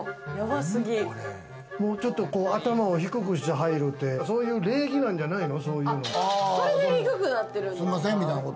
頭を低くして入るって、そういう礼儀なんじゃないの？